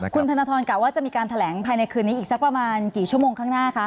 คุณธนทรกะว่าจะมีการแถลงภายในคืนนี้อีกสักประมาณกี่ชั่วโมงข้างหน้าคะ